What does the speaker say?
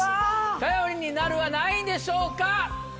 「頼りになる」は何位でしょうか？